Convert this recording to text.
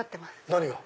何が？